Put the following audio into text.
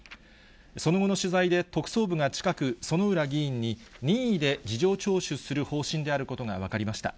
その後の取材で、特捜部が近く、薗浦議員に任意で事情聴取する方針であることが分かりました。